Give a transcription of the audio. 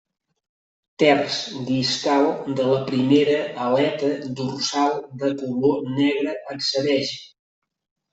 Terç distal de la primera aleta dorsal de color negre atzabeja.